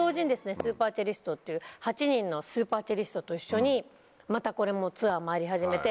スーパーチェリストっていう８人のスーパーチェリストと一緒にまたこれもツアー回り始めて。